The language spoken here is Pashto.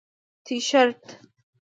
👕 تیشرت